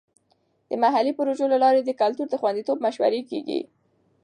د محلي پروژو له لارې د کلتور د خوندیتوب مشورې کیږي.